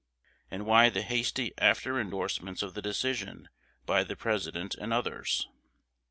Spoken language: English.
And why the hasty after indorsements of the decision by the President and others?